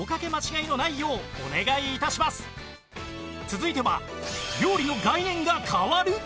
続いては料理の概念が変わる！？